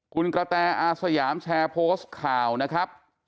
คุณกระแตอาสยามแชร์โพสต์ข่าวนะครับ